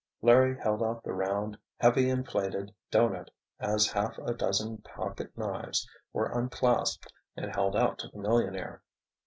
Larry held out the round, heavy inflated "doughnut" as half a dozen pocket knives were unclasped and held out to the millionaire.